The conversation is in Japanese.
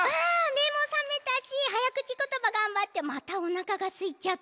めもさめたしはやくちことばがんばってまたおなかがすいちゃった。